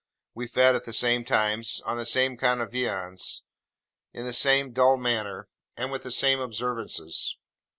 We fed at the same times, on the same kind of viands, in the same dull manner, and with the same observances.